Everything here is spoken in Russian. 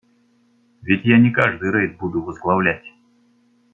Ведь я не каждый рейд буду возглавлять.